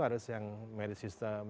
harus yang meresistem